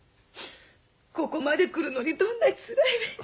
ここまで来るのにどんなにつらい目に。